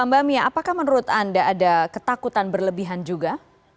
mbak mia apakah menurut anda ada ketakutan berlebihan juga